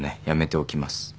やめておきます。